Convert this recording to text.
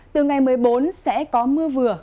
từ ngày một mươi bốn sẽ có mưa vừa